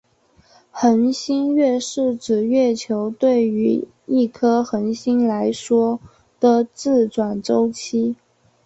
恒星月是指月球对于一颗恒星来说的自转周期。